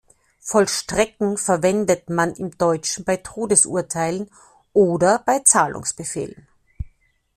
Vollstrecken verwendet man im Deutschen bei Todesurteilen oder bei Zahlungsbefehlen.